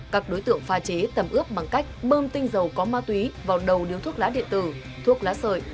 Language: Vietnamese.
các đối tượng pha chế tầm ướp bằng cách bơm tinh dầu có ma túy vào đầu điếu thuốc lá điện tử thuốc lá sợi